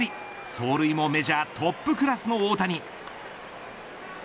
走塁もメジャートップクラスの大谷。